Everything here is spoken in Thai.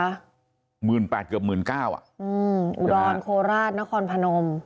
๑๘๐๐๐คนเกือบ๑๙๐๐๐คนอูดอนโคราชนครพนม